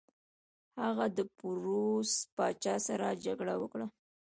هغه د پوروس پاچا سره جګړه وکړه.